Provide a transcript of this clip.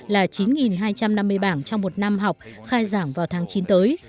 là chín hai trăm năm mươi bảng trong một năm học khai giảng vào tháng chín tới